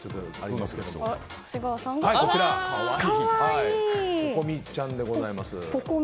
こちら、ぽこ美ちゃんでございます。